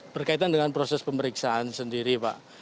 berkaitan dengan proses pemeriksaan sendiri pak